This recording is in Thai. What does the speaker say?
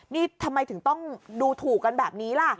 นี่ทำไมถึงต้องดูถูกกันแบบนี้ล่ะ